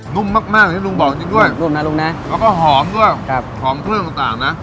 นุ่มมากที่ลุงบอกจริงด้วยแล้วก็หอมด้วยหอมขึ้นต่างนะ